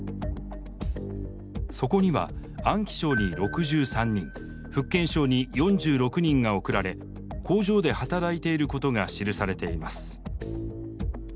そこには安徽省に６３人福建省に４６人が送られ工場で働いていることが記されています。